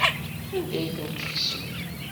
Anda ay tent-tekksem?